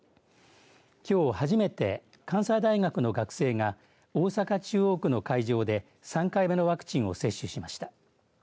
きょう初めて関西大学の学生が大阪、中央区の会場で３回目のワクチンを接種しました。